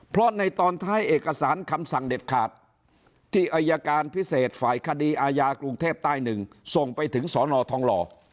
เพราะในตอนท้ายเอกสารคำสั่งเด็ดขาดที่อายการพิเศษฝ่ายคดีอาญากรุงเทพใต้หนึ่งส่งไปถึงสอนอทองหล่อ